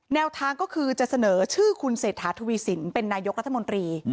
แนวทางก็คือจะเสนอชื่อคุณเศรษฐาทวีสินเป็นนายกรัฐมนตรี